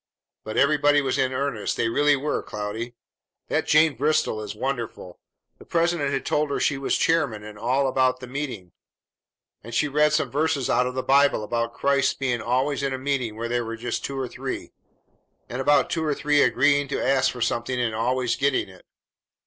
But everybody was in earnest; they really were, Cloudy. That Jane Bristol is wonderful! The president had told her she was chairman, and all about the meeting; and she read some verses out of the Bible about Christ's being always in a meeting where there were just two or three, and about two or three agreeing to ask for something and always getting it.